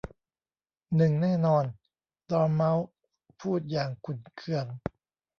หนึ่งแน่นอน ! 'ดอร์เม้าส์พูดอย่างขุ่นเคือง